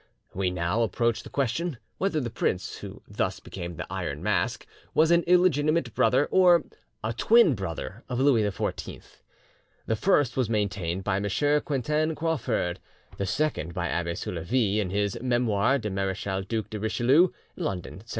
We now approach the question whether the prince who thus became the Iron Mask was an illegitimate brother or a twin brother of Louis XIV. The first was maintained by M. Quentin Crawfurd; the second by Abbe Soulavie in his 'Memoires du Marechal Duc de Richelieu' (London, 1790).